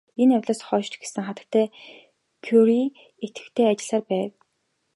Энэ явдлаас хойш ч гэсэн хатагтай Кюре идэвхтэй ажилласаар л байв.